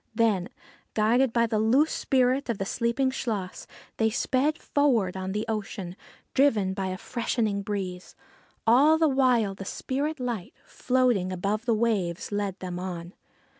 Then, guided by the loosed spirit of the sleeping Chluas, they sped forward on the ocean, driven by a freshening breeze. All the while the spirit light, floating above the waves, led them on.